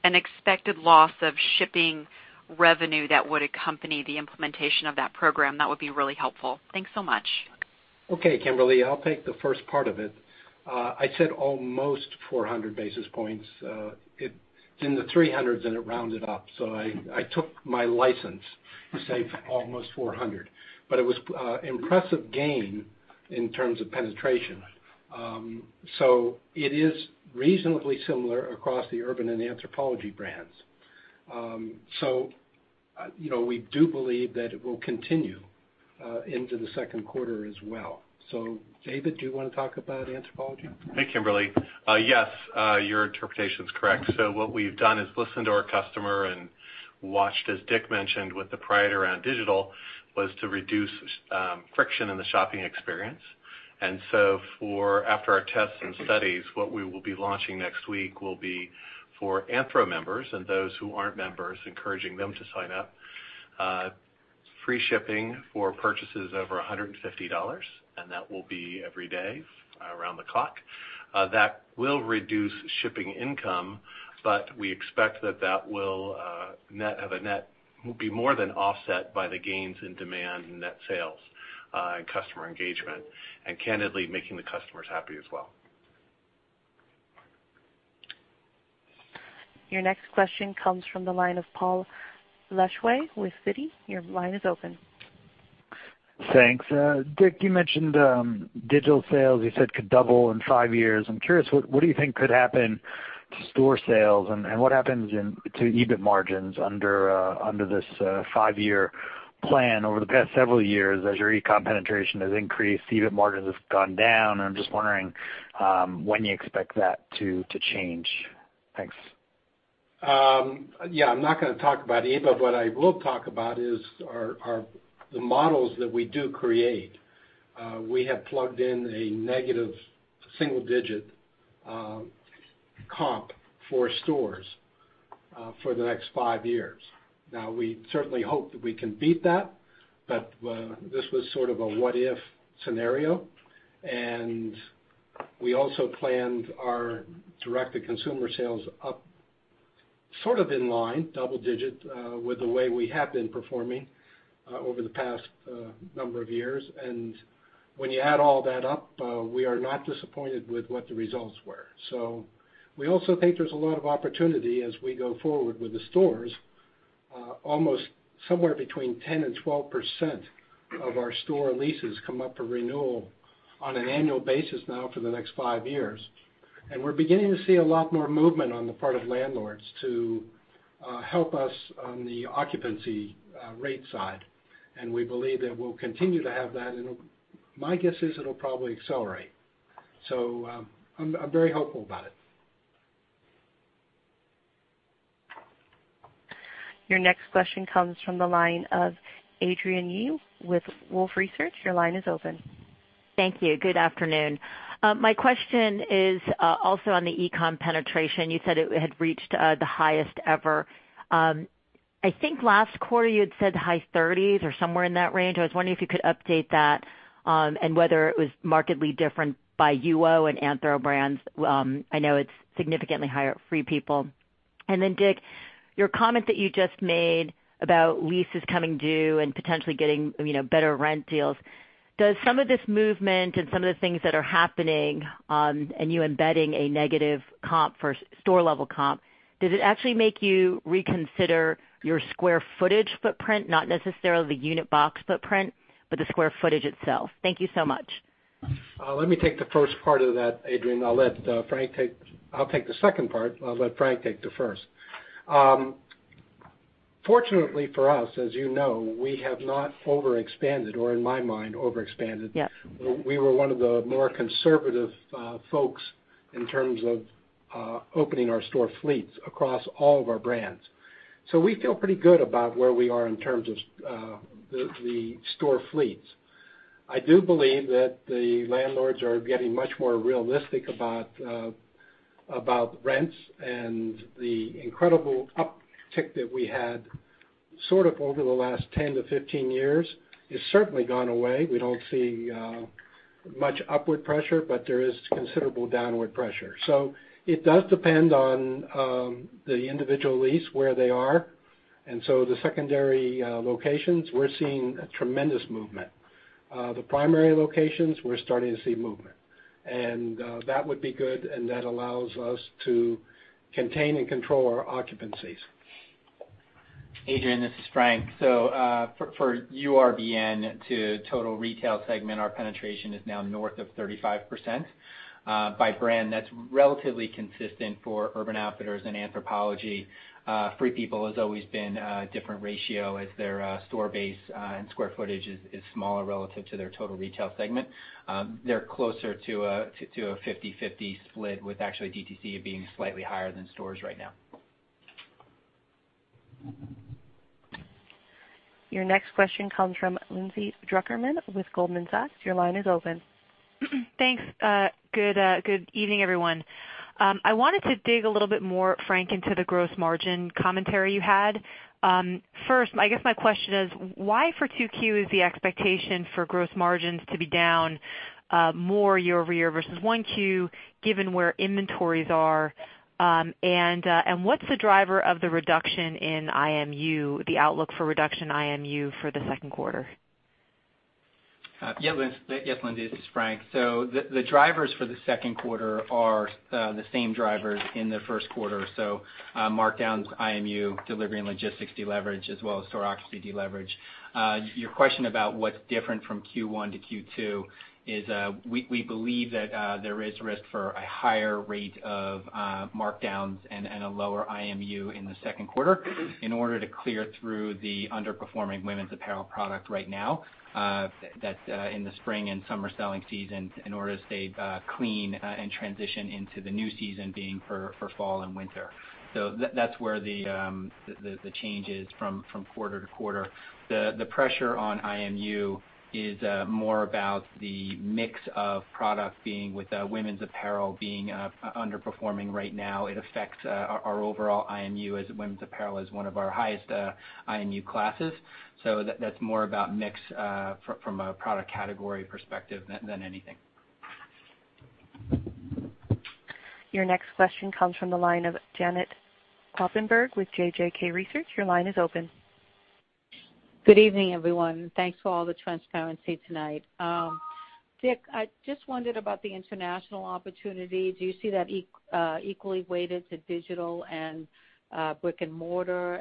an expected loss of shipping revenue that would accompany the implementation of that program, that would be really helpful. Thanks so much. Okay, Kimberly, I'll take the first part of it. I said almost 400 basis points. It's in the 300s and it rounded up. I took my license to say almost 400. It was impressive gain in terms of penetration. It is reasonably similar across the Urban and Anthropologie brands. We do believe that it will continue into the second quarter as well. David, do you want to talk about Anthropologie? Hey, Kimberly. Yes, your interpretation is correct. What we've done is listened to our customer and watched, as Dick mentioned, with the pride around digital, was to reduce friction in the shopping experience. After our tests and studies, what we will be launching next week will be for Anthro members and those who aren't members, encouraging them to sign up. Free shipping for purchases over $150, that will be every day around the clock. That will reduce shipping income, we expect that that will be more than offset by the gains in demand and net sales, and customer engagement. Candidly, making the customers happy as well. Your next question comes from the line of Paul Lejuez with Citi. Your line is open. Thanks. Dick, you mentioned digital sales, you said could double in five years. I'm curious, what do you think could happen to store sales, what happens to EBIT margins under this five-year plan? Over the past several years, as your e-com penetration has increased, EBIT margins have gone down, I'm just wondering when you expect that to change. Thanks. I'm not going to talk about EBIT. What I will talk about is the models that we do create. We have plugged in a negative single-digit comp for stores for the next five years. We certainly hope that we can beat that, but this was sort of a what-if scenario. We also planned our direct-to-consumer sales up sort of in line, double-digit, with the way we have been performing over the past number of years. When you add all that up, we are not disappointed with what the results were. We also think there's a lot of opportunity as we go forward with the stores. Almost somewhere between 10%-12% of our store leases come up for renewal on an annual basis now for the next five years. We're beginning to see a lot more movement on the part of landlords to help us on the occupancy rate side. We believe that we'll continue to have that, and my guess is it'll probably accelerate. I'm very hopeful about it. Your next question comes from the line of Adrienne Yih with Wolfe Research. Your line is open. Thank you. Good afternoon. My question is also on the e-com penetration. You said it had reached the highest ever. I think last quarter you had said high 30s or somewhere in that range. I was wondering if you could update that, and whether it was markedly different by UO and Anthro brands. I know it's significantly higher at Free People. Then Dick, your comment that you just made about leases coming due and potentially getting better rent deals. Does some of this movement and some of the things that are happening, and you embedding a negative comp for store-level comp, does it actually make you reconsider your square footage footprint? Not necessarily the unit box footprint, but the square footage itself. Thank you so much. Let me take the first part of that, Adrienne. I'll take the second part. I'll let Frank take the first. Fortunately for us, as you know, we have not overexpanded, or in my mind, overexpanded. Yes. We were one of the more conservative folks in terms of opening our store fleets across all of our brands. We feel pretty good about where we are in terms of the store fleets. I do believe that the landlords are getting much more realistic about rents and the incredible uptick that we had sort of over the last 10 to 15 years. It's certainly gone away. We don't see much upward pressure, there is considerable downward pressure. It does depend on the individual lease, where they are. The secondary locations, we're seeing tremendous movement. The primary locations, we're starting to see movement. That would be good, and that allows us to contain and control our occupancies. Adrienne, this is Frank. For URBN to total retail segment, our penetration is now north of 35%. By brand, that's relatively consistent for Urban Outfitters and Anthropologie. Free People has always been a different ratio as their store base and square footage is smaller relative to their total retail segment. They're closer to a 50/50 split with actually DTC being slightly higher than stores right now. Your next question comes from Lindsay Drucker Mann with Goldman Sachs. Your line is open. Thanks. Good evening, everyone. I wanted to dig a little bit more, Frank, into the gross margin commentary you had. First, I guess my question is, why for 2Q is the expectation for gross margins to be down more year-over-year versus 1Q, given where inventories are? What's the driver of the reduction in IMU, the outlook for reduction IMU for the second quarter? Yes, Lindsay, this is Frank. The drivers for the second quarter are the same drivers in the first quarter. Markdowns, IMU, delivery and logistics deleverage, as well as store occupancy deleverage. Your question about what's different from Q1 to Q2 is, we believe that there is risk for a higher rate of markdowns and a lower IMU in the second quarter in order to clear through the underperforming women's apparel product right now that's in the spring and summer selling seasons in order to stay clean and transition into the new season being for fall and winter. That's where the change is from quarter to quarter. The pressure on IMU is more about the mix of product being with women's apparel being underperforming right now. It affects our overall IMU as women's apparel is one of our highest IMU classes. That's more about mix from a product category perspective than anything. Your next question comes from the line of Janet Kloppenburg with JJK Research. Your line is open. Good evening, everyone. Thanks for all the transparency tonight. Dick, I just wondered about the international opportunity. Do you see that equally weighted to digital and brick and mortar?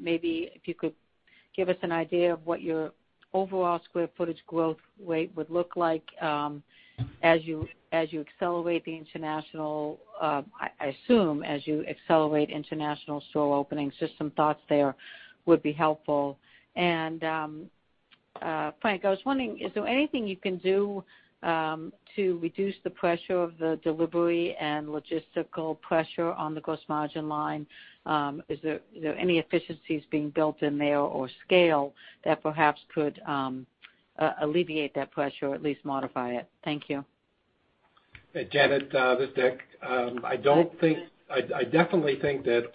Maybe if you could give us an idea of what your overall square footage growth rate would look like as you accelerate international store openings. Just some thoughts there would be helpful. Frank, I was wondering, is there anything you can do to reduce the pressure of the delivery and logistical pressure on the gross margin line? Is there any efficiencies being built in there or scale that perhaps could alleviate that pressure, or at least modify it? Thank you. Hey, Janet. This is Dick. I definitely think that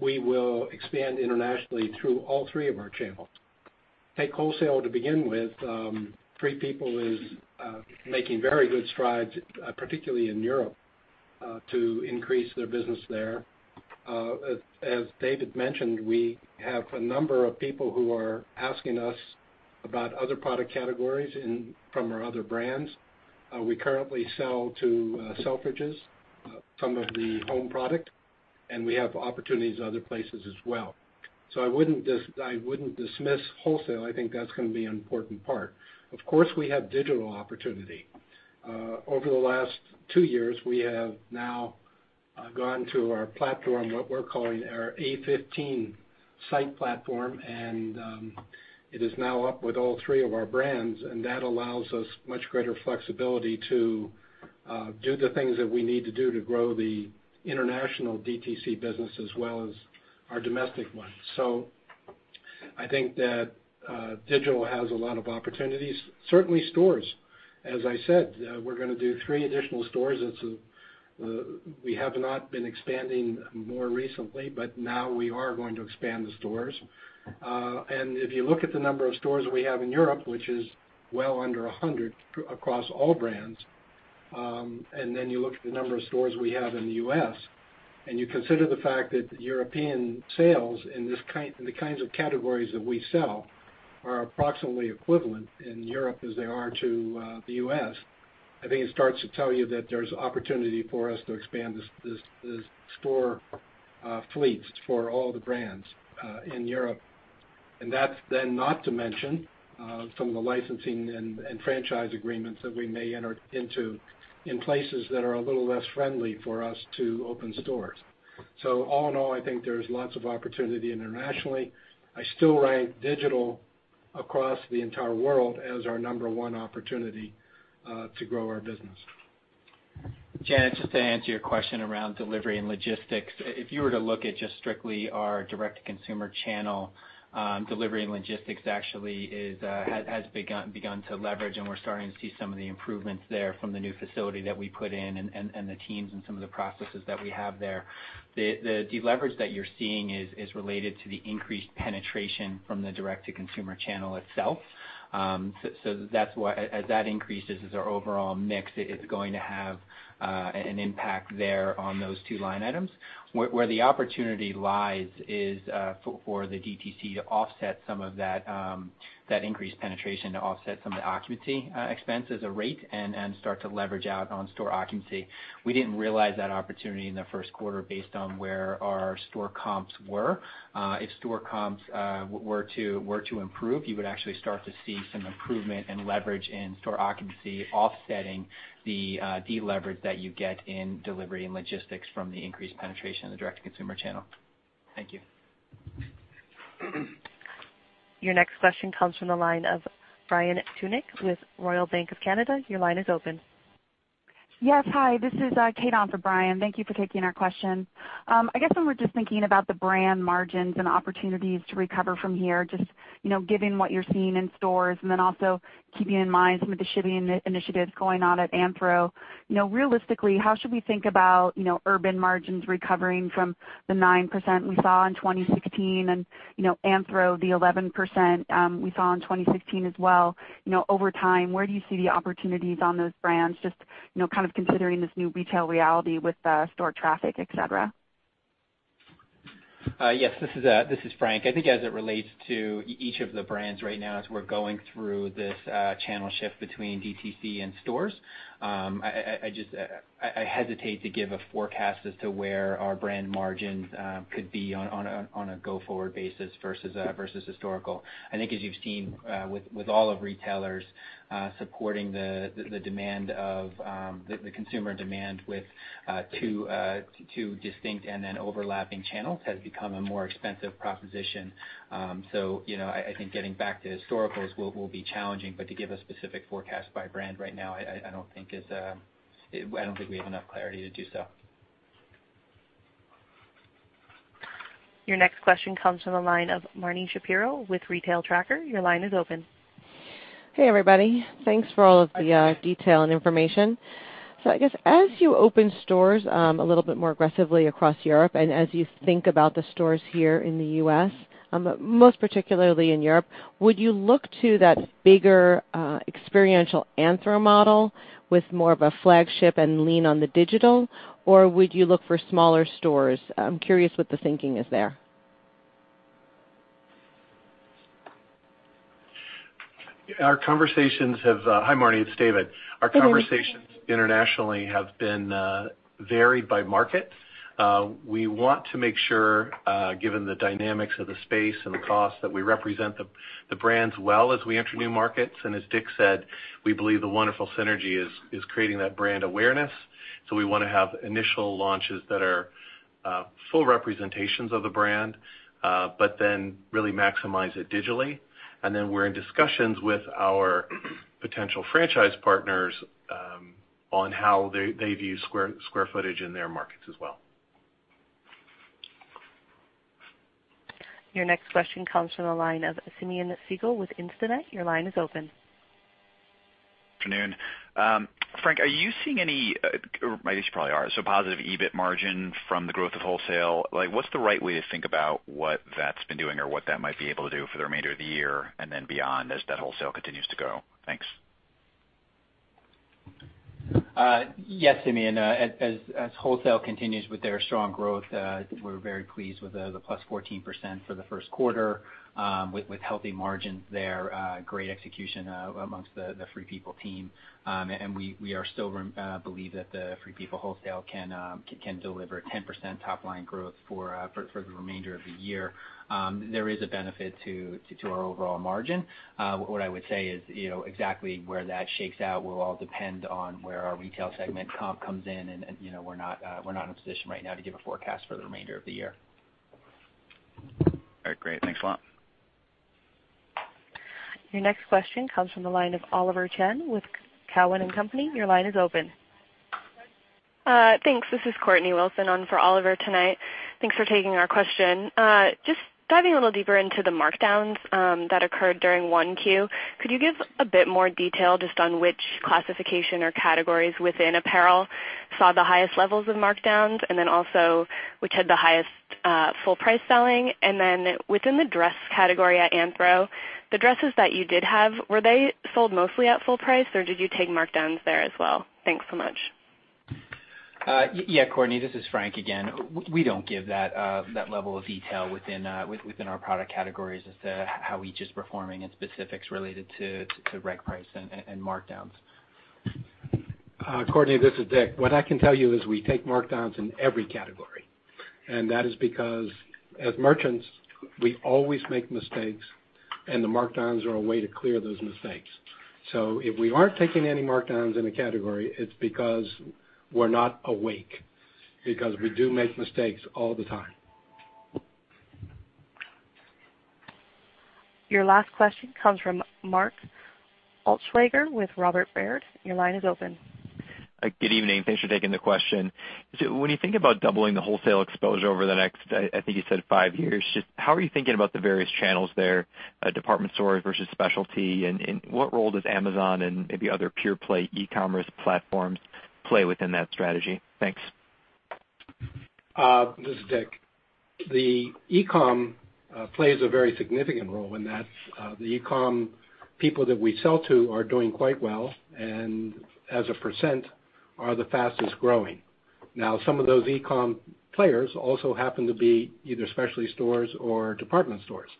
we will expand internationally through all three of our channels. Take wholesale to begin with. Free People is making very good strides, particularly in Europe, to increase their business there. As David mentioned, we have a number of people who are asking us about other product categories from our other brands. We currently sell to Selfridges some of the home product. We have opportunities in other places as well. I wouldn't dismiss wholesale. I think that's going to be an important part. Of course, we have digital opportunity. Over the last two years, we have now gone to our platform, what we're calling our A15 site platform. It is now up with all three of our brands, and that allows us much greater flexibility to do the things that we need to do to grow the international DTC business as well as our domestic one. I think that digital has a lot of opportunities. Certainly stores. As I said, we're going to do three additional stores. We have not been expanding more recently, but now we are going to expand the stores. If you look at the number of stores we have in Europe, which is well under 100 across all brands, you look at the number of stores we have in the U.S., you consider the fact that European sales in the kinds of categories that we sell are approximately equivalent in Europe as they are to the U.S., I think it starts to tell you that there's opportunity for us to expand the store fleets for all the brands in Europe. That's not to mention some of the licensing and franchise agreements that we may enter into in places that are a little less friendly for us to open stores. All in all, I think there's lots of opportunity internationally. I still rank digital across the entire world as our number one opportunity to grow our business. Janet, just to answer your question around delivery and logistics. If you were to look at just strictly our direct-to-consumer channel, delivery and logistics actually has begun to leverage, and we're starting to see some of the improvements there from the new facility that we put in and the teams and some of the processes that we have there. The leverage that you're seeing is related to the increased penetration from the direct-to-consumer channel itself. As that increases as our overall mix, it's going to have an impact there on those two line items. Where the opportunity lies is for the DTC to offset some of that increased penetration, to offset some of the occupancy expense as a rate and start to leverage out on store occupancy. We didn't realize that opportunity in the first quarter based on where our store comps were. If store comps were to improve, you would actually start to see some improvement and leverage in store occupancy offsetting the deleverage that you get in delivery and logistics from the increased penetration of the direct-to-consumer channel. Thank you. Your next question comes from the line of Brian Tunick with Royal Bank of Canada. Your line is open. Yes. Hi, this is Kate on for Brian. Thank you for taking our question. I guess when we're just thinking about the brand margins and opportunities to recover from here, just given what you're seeing in stores, and then also keeping in mind some of the shipping initiatives going on at Anthro. Realistically, how should we think about Urban margins recovering from the 9% we saw in 2016 and Anthro, the 11% we saw in 2016 as well? Over time, where do you see the opportunities on those brands? Just kind of considering this new retail reality with store traffic, et cetera. Yes. This is Frank. I think as it relates to each of the brands right now, as we're going through this channel shift between DTC and stores, I hesitate to give a forecast as to where our brand margins could be on a go-forward basis versus historical. I think as you've seen with all of retailers, supporting the consumer demand with two distinct and then overlapping channels has become a more expensive proposition. I think getting back to historicals will be challenging, but to give a specific forecast by brand right now, I don't think we have enough clarity to do so. Your next question comes from the line of Marni Shapiro with The Retail Tracker. Your line is open. Hey, everybody. Thanks for all of the detail and information. I guess as you open stores a little bit more aggressively across Europe, and as you think about the stores here in the U.S., most particularly in Europe, would you look to that bigger experiential Anthro model with more of a flagship and lean on the digital, or would you look for smaller stores? I'm curious what the thinking is there. Hi, Marni. It's David. Hi, David. Our conversations internationally have been varied by market. We want to make sure, given the dynamics of the space and the cost, that we represent the brands well as we enter new markets. As Dick said, we believe the wonderful synergy is creating that brand awareness. We want to have initial launches that are full representations of the brand, really maximize it digitally. We're in discussions with our potential franchise partners on how they view square footage in their markets as well. Your next question comes from the line of Simeon Siegel with Instinet. Your line is open. Good afternoon. Frank, are you seeing any, I guess you probably are, so positive EBIT margin from the growth of wholesale. What's the right way to think about what that's been doing or what that might be able to do for the remainder of the year and then beyond as that wholesale continues to grow? Thanks. Yes, Simeon. As wholesale continues with their strong growth, we're very pleased with the +14% for the first quarter with healthy margins there, great execution amongst the Free People team. We still believe that the Free People wholesale can deliver a 10% top-line growth for the remainder of the year. There is a benefit to our overall margin. What I would say is, exactly where that shakes out will all depend on where our retail segment comp comes in, and we're not in a position right now to give a forecast for the remainder of the year. All right. Great. Thanks a lot. Your next question comes from the line of Oliver Chen with Cowen and Company. Your line is open. Thanks. This is Courtney Wilson on for Oliver tonight. Thanks for taking our question. Just diving a little deeper into the markdowns that occurred during Q1, could you give a bit more detail just on which classification or categories within apparel saw the highest levels of markdowns, and then also which had the highest full price selling? Within the dress category at Anthro, the dresses that you did have, were they sold mostly at full price, or did you take markdowns there as well? Thanks so much. Yeah, Courtney. This is Frank again. We don't give that level of detail within our product categories as to how each is performing and specifics related to reg price and markdowns. Courtney, this is Dick. What I can tell you is we take markdowns in every category, and that is because as merchants, we always make mistakes, and the markdowns are a way to clear those mistakes. If we aren't taking any markdowns in a category, it's because we're not awake, because we do make mistakes all the time. Your last question comes from Mark Altschwager with Robert Baird. Your line is open. Good evening. Thanks for taking the question. When you think about doubling the wholesale exposure over the next, I think you said five years, just how are you thinking about the various channels there, department stores versus specialty, and what role does Amazon and maybe other pure-play e-commerce platforms play within that strategy? Thanks. This is Dick. The e-com plays a very significant role in that. The e-com people that we sell to are doing quite well, and as a percent, are the fastest growing. Some of those e-com players also happen to be either specialty stores or department stores.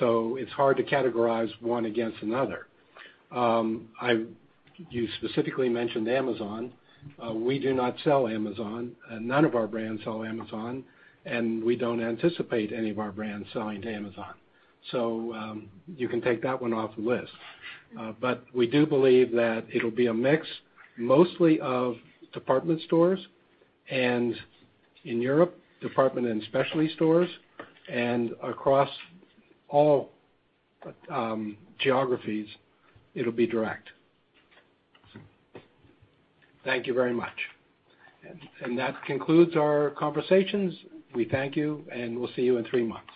It's hard to categorize one against another. You specifically mentioned Amazon. We do not sell Amazon. None of our brands sell Amazon, and we don't anticipate any of our brands selling to Amazon. You can take that one off the list. We do believe that it'll be a mix mostly of department stores and in Europe, department and specialty stores, and across all geographies, it'll be direct. Thank you very much. That concludes our conversations. We thank you, and we'll see you in three months.